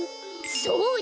そうだ！